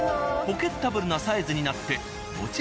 ポケッタブルなサイズになって。